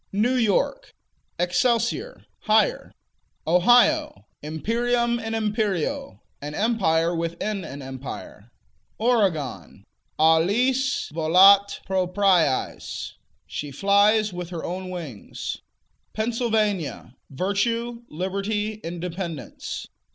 New York Excelsior: Higher. Ohio Imperium in imperio: An empire within an empire. Oregon Alis volat propriis: She flies with her own wings. Pennsylvania Virtue, Liberty, Independence.